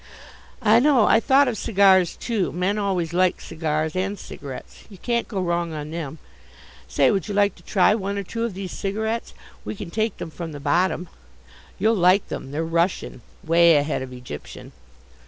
"I know, I thought of cigars too. Men always like cigars and cigarettes. You can't go wrong on them. Say, would you like to try one or two of these cigarettes? We can take them from the bottom. You'll like them, they're Russian away ahead of Egyptian."